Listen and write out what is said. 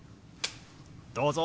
どうぞ！